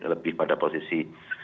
lebih pada posisi